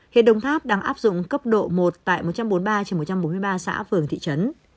hiện đồng tháp đang áp dụng cấp độ một tại một trăm bốn mươi ba trên một trăm bốn mươi ba xã phường thị trấn